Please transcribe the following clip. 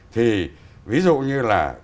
thì ví dụ như là